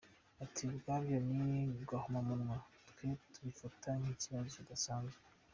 “Ati ubwabyo ni gahomamunwa, twe tubifata nk’ikibazo kidasanzwe.